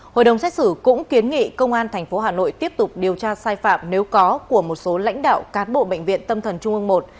hội đồng xét xử cũng kiến nghị công an tp hà nội tiếp tục điều tra sai phạm nếu có của một số lãnh đạo cán bộ bệnh viện tâm thần trung ương i